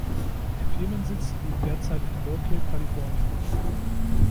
Der Firmensitz liegt derzeit in Berkeley, Kalifornien.